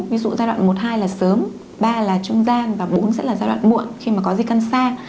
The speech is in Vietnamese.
ví dụ giai đoạn một hai là sớm ba là trung gian và bốn sẽ là giai đoạn muộn khi mà có di căn xa